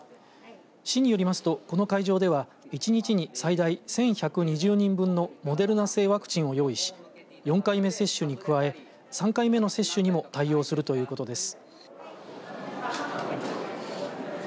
市によりますと、この会場では１日に最大１１２０人分のモデルナ製ワクチンを用意し４回目接種に加え３回目の接種にも対応するということです。